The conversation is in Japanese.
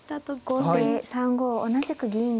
後手３五同じく銀。